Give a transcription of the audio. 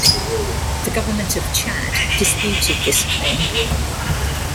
The government of Chad disputed this claim.